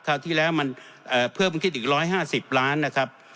คราวที่แล้วมันเอ่อเพิ่มขึ้นอีกร้อยห้าสิบล้านนะครับ